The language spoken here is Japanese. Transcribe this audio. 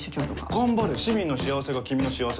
頑張れ市民の幸せが君の幸せだ。